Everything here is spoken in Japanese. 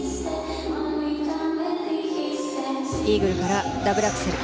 イーグルからダブルアクセル。